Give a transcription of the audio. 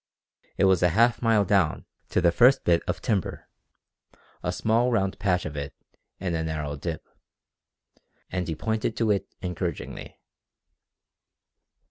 It was a half mile down to the first bit of timber a small round patch of it in a narrow dip and he pointed to it encouragingly.